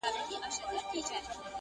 چي په تبر دي چپه په یوه آن کي!.